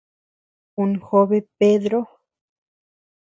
Ún jobe Pedro.